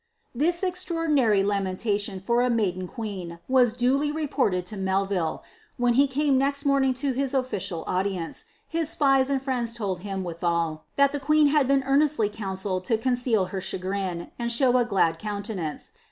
"' This extraordinary lamentation for a maiden queen was duly reported 10 Melville', when he came next morning to his ofljcial audience, his apica and friends lold him, withal, that the queen had been earnestly coon aelled to conceal her chagrin, and " show a glad countenance.